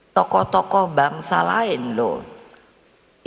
tokoh tokoh bangsa lain loh